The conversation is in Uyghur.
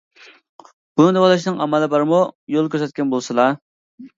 بۇنى داۋالاشنىڭ ئامالى بارمۇ؟ يول كۆرسەتكەن بولسىلا!